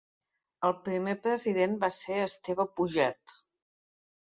El primer president va ser Esteve Puget.